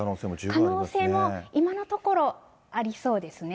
可能性も今のところありそうですね。